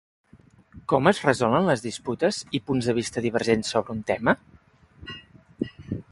Com es resolen les disputes i punts de vista divergents sobre un tema?